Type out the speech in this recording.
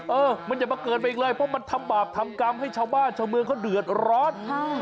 ไม่มันจะมาเกิดไปเลยเพราะมันจะทำบาปทำกรรมให้ชาวบ้านชาวเมืองก็เดือดร้อน